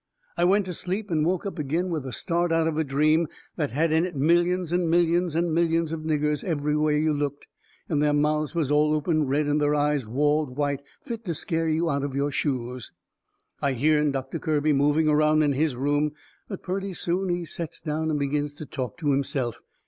I went to sleep and woke up agin with a start out of a dream that had in it millions and millions and millions of niggers, every way you looked, and their mouths was all open red and their eyes walled white, fit to scare you out of your shoes. I hearn Doctor Kirby moving around in his room. But purty soon he sets down and begins to talk to himself.